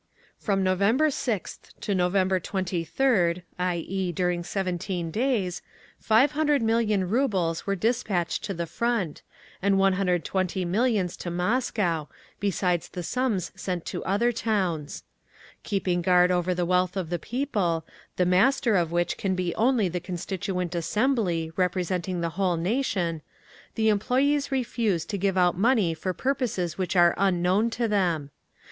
"From November 6th to November 23d, i.e., during 17 days, 500 million rubles were dispatched to the Front, and 120 millions to Moscow, besides the sums sent to other towns. "Keeping guard over the wealth of the people, the master of which can be only the Constituent Assembly, representing the whole nation, the employees refuse to give out money for purposes which are unknown to them.